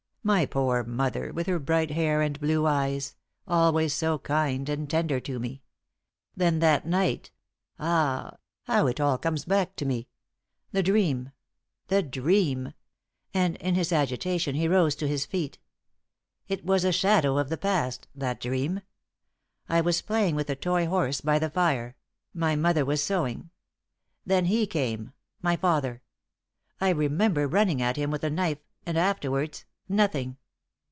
"My poor mother, with her bright hair and blue eyes, always so kind and tender to me. Then that night ah! how it all comes back to me! The dream the dream!" and in his agitation he rose to his feet. "It was a shadow of the past that dream. I was playing with a toy horse by the fire; my mother was sewing. Then he came my father. I remember running at him with a knife, and afterwards nothing."